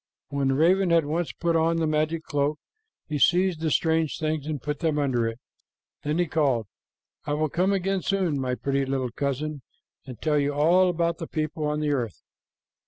When the raven had once put on the magic cloak, he seized the strange things and put them under it. Then he called, "I will come again soon, my pretty little cousin, and tell you all about the people on the earth."